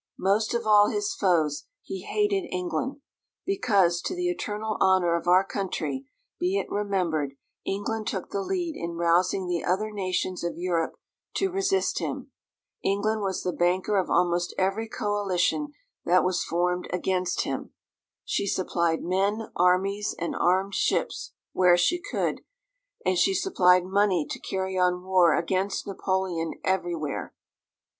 Most of all his foes, he hated England; because, to the eternal honour of our country, be it remembered, England took the lead in rousing the other nations of Europe to resist him. England was the banker of almost every coalition that was formed against him. She supplied men, armies, and armed ships, where she could, and she supplied money to carry on war against Napoleon everywhere.